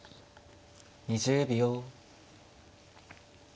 ２０秒。